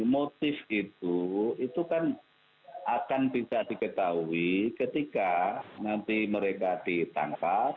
motif itu itu kan akan bisa diketahui ketika nanti mereka ditangkap